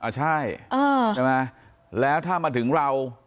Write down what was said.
ใช่ไหมแล้วถ้ามาถึงเรา